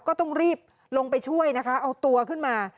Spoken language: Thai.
ก็ต้องรีบลงไปช่วยนะคะเอาตัวขึ้นมา